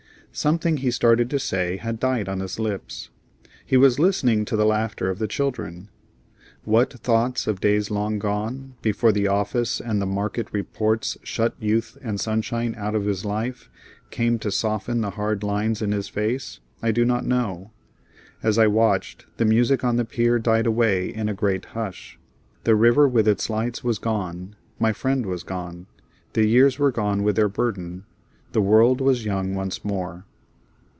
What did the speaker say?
Something he started to say had died on his lips. He was listening to the laughter of the children. What thoughts of days long gone, before the office and the market reports shut youth and sunshine out of his life, came to soften the hard lines in his face, I do not know. As I watched, the music on the pier died away in a great hush. The river with its lights was gone; my friend was gone. The years were gone with their burden. The world was young once more.